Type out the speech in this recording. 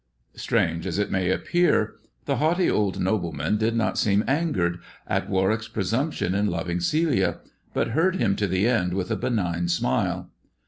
Strange as it may appear, the haughty old nobleman did not seem angered at Warwick's presumption in loving Celia, but heard him to the end with a benign smile.